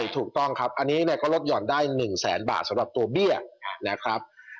ถูกต้องครับอันนี้ก็ลดห่อนได้๑แสนบาทสำหรับตัวเบี้ยนะครับ